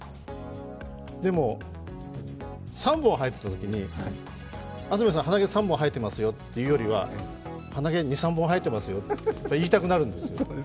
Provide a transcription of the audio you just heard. でも、３本生えていたときに、安住さん、鼻毛３本生えてますよというよりは鼻毛、２３本生えていますよって、言いたくなるんですよ。